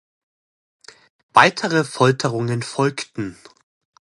Weitere Folterungen folgten.